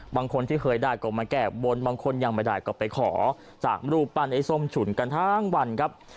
บางคนที่เคยได้ก็มาแก้บนบางคนยังไม่ได้ก็ไปขอจากรูปปั้นไอ้ส้มฉุนกันทั้งวันครับ